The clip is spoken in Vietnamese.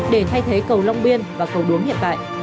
để thay thế cầu long biên và cầu đuống hiện tại